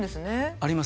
あります。